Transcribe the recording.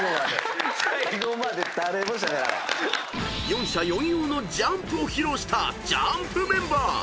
［四者四様のジャンプを披露したＪＵＭＰメンバー］